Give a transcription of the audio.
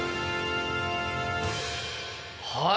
はい。